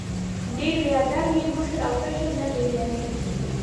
ډېر بې ادب یې ، مشر او کشر نه پېژنې!